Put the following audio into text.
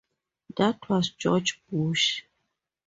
That was George Bush.